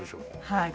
はい。